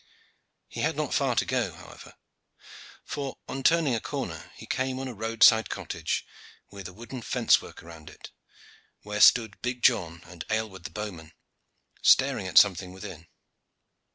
He had not far to go, however; for, on turning a corner, he came on a roadside cottage with a wooden fence work around it, where stood big John and Aylward the bowman, staring at something within.